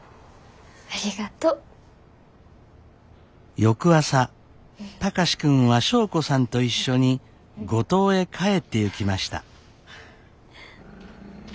翌朝貴司君は祥子さんと一緒に五島へ帰ってゆきました。